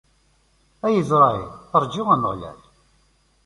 A Isṛayil, rǧu Ameɣlal.